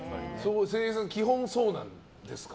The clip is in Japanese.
声優さん、基本そうなんですか。